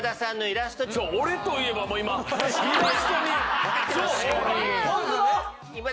俺といえばもう今イラストにそう！